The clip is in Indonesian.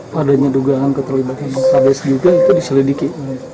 padanya dugaan ketelibatan kebakar desa juga itu diselidiki